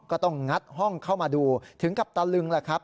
ก็ต้องงัดห้องเข้ามาดูถึงกับตะลึงแหละครับ